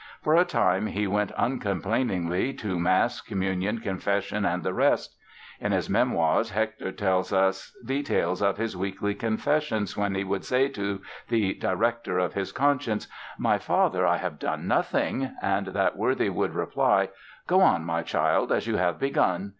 For a time he went uncomplainingly to mass, communion, confession and the rest. In his Memoirs Hector tells us details of his weekly "confessions" when he would say to the "director" of his conscience "My father, I have done nothing" and that worthy would reply "Go on, my child, as you have begun".